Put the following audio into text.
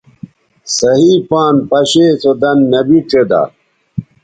صحیح پان پشے سو دَن نبی ڇیدا